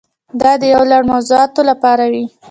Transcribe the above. دا د یو لړ موضوعاتو لپاره وي.